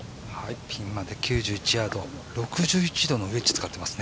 ピンまで９１ヤード、６１度のウェッジ使ってますね。